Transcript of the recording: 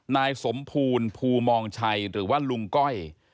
นายสมภูลภูมองชัยหรือว่าลุงก้อย